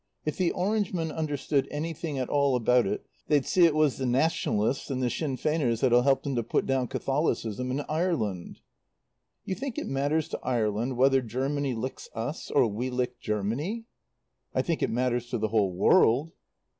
If the Orangemen understood anything at all about it they'd see it was the Nationalists and the Sinn Feiners that'll help them to put down Catholicism in Ireland." "You think it matters to Ireland whether Germany licks us or we lick Germany?" "I think it matters to the whole world."